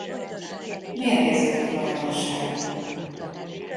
Mérgező tulajdonságú.